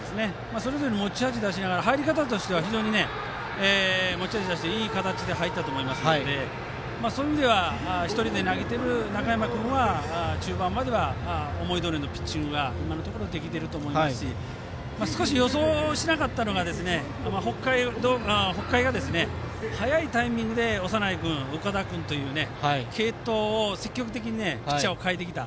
それぞれ持ち味を出して入り方としては非常に持ち味を出していい形で入ったと思いますのでそういう意味では１人で投げている中山君は中盤までは思いどおりのピッチングが今のところできていると思いますし少し予想しなかったのが北海が早いタイミングで長内君、岡田君という継投で積極的にピッチャーを代えてきた。